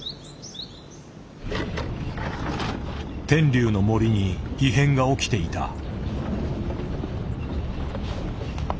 天竜の森に異変が起きていた。